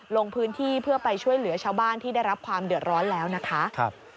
ลงพื้นที่เพื่อไปช่วยเหลือชาวบ้านที่ได้รับความเดือดร้อนแล้วนะคะ